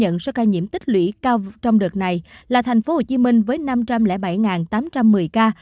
tổng số ca nhiễm tích lũy cao trong đợt này là thành phố hồ chí minh với năm trăm linh bảy tám trăm một mươi ca